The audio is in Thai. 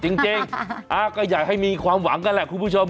จริงก็อยากให้มีความหวังกันแหละคุณผู้ชม